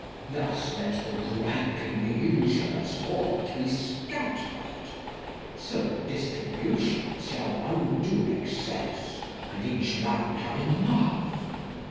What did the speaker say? Thus let the griping Userers Hoard be scatter'd. So Distribution shall undo Excess And each Man have enough.